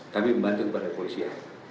kami membantu bantu saja ya